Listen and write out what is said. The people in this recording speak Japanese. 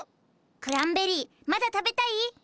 クランベリーまだ食べたい？